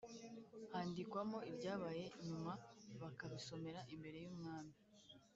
Handikwamo ibyabaye nyuma bakabisomera imbere yumwami